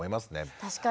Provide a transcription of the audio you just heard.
確かに。